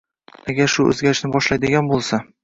Agar shu oʻzgarishni boshlaydigan boʻlsa